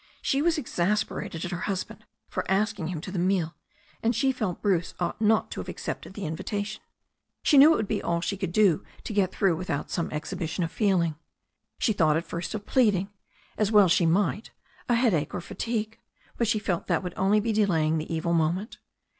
She was exasperated at her husband for asking him to the meal, and she felt Bruce ought not to have accepted the invitation. She knew it would be all she could do to get through without some exhibition of feeling. She thought at first of pleading, as well she might, a headache or fatigue, but she felt that would only be delaying the evil moment.